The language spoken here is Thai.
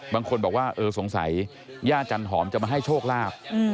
บางคนบอกว่าเออสงสัยย่าจันหอมจะมาให้โชคลาภ